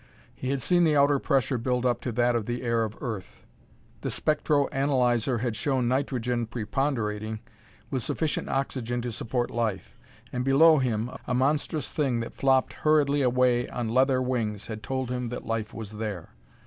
He had seen the outer pressure build up to that of the air of Earth; the spectro analyzer had shown nitrogen preponderating, with sufficient oxygen to support life. And, below him, a monstrous thing that flopped hurriedly away on leather wings had told him that life was there.